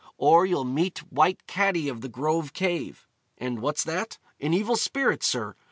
'or you'll meet White Catti of the Grove Cave.' 'And what's that?' 'An evil spirit, sir.'